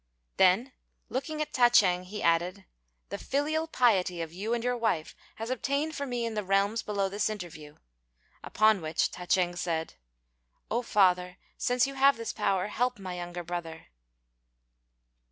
Then, looking at Ta ch'êng, he added, "The filial piety of you and your wife has obtained for me in the realms below this interview;" upon which Ta ch'êng said, "O father, since you have this power, help my younger brother."